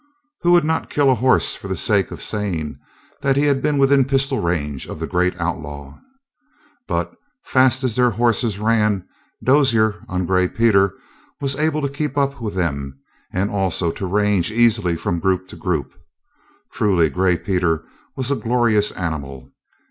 Who would not kill a horse for the sake of saying that he had been within pistol range of the great outlaw? But, fast as their horses ran, Dozier, on Gray Peter, was able to keep up with them and also to range easily from group to group. Truly, Gray Peter was a glorious animal!